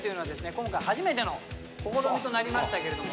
今回初めての試みとなりましたけれども前園さん